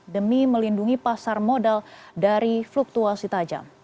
demi melindungi pasar modal dari fluktuasi tajam